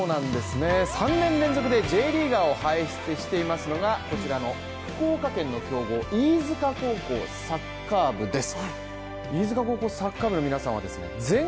３年連続でＪリーガーを輩出しています、こちらの福岡県の強豪飯塚高校サッカー部です。